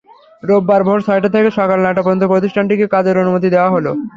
রোববার ভোর ছয়টা থেকে সকাল নয়টা পর্যন্ত প্রতিষ্ঠানটিকে কাজের অনুমতি দেওয়া হয়।